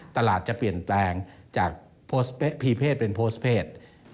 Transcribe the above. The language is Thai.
ตลาดจะเปลี่ยนแปลงจากพีเพศเป็นโพสต์เพศ